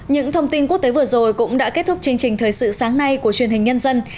những thông tin quốc tế vừa rồi cũng đã kết thúc chương trình thời sự sáng nay của truyền hình nhân dân